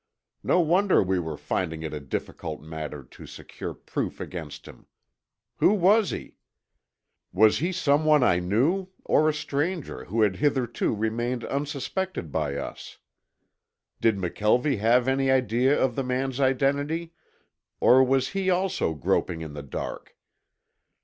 No wonder we were finding it a difficult matter to secure proof against him! Who was he? Was he someone I knew or a stranger who had hitherto remained unsuspected by us? Did McKelvie have any idea of the man's identity, or was he also groping in the dark?